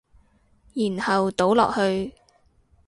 然後倒落去